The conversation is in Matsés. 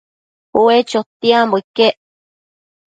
ue chotiadpambo iquec